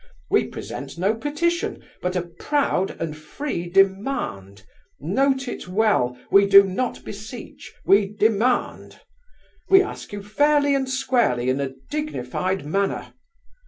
We present no petition, but a proud and free demand (note it well, we do not beseech, we demand!). We ask you fairly and squarely in a dignified manner.